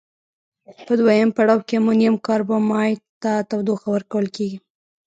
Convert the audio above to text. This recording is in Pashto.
په دویم پړاو کې امونیم کاربامیت ته تودوخه ورکول کیږي.